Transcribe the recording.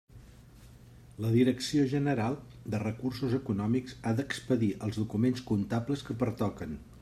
La Direcció General de Recursos Econòmics ha d'expedir els documents comptables que pertoquen.